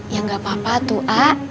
ya gak apa apa tuh a